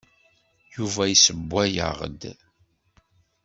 Yuba yessewway-aɣ-d.